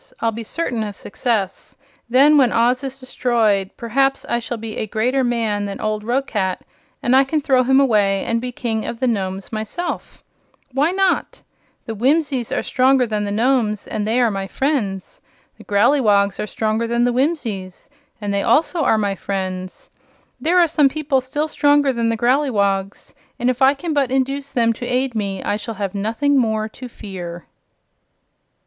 I'll be certain of success. Then, when Oz is destroyed, perhaps I shall be a greater man than old Roquat, and I can throw him away and be King of the Nomes myself. Why not? The Whimsies are stronger than the Nomes, and they also are my friends. There are some people still stronger than the Growleywogs, and if I can but induce them to aid me I shall have nothing more to fear."